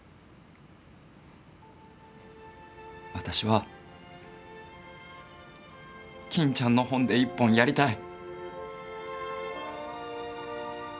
私は金ちゃんの本で一本やりたい。